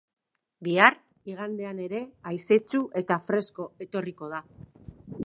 Bihar, igandean ere haizetsu eta fresko etorriko da.